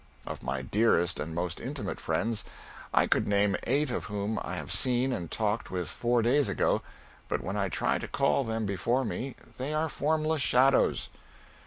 Of my dearest and most intimate friends, I could name eight whom I have seen and talked with four days ago, but when I try to call them before me they are formless shadows.